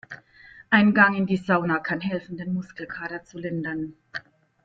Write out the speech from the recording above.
Ein Gang in die Sauna kann helfen, den Muskelkater zu lindern.